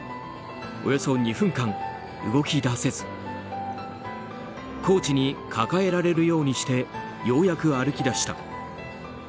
およそ２分間、動き出せずコーチに抱えられるようにしてようやく歩き出した。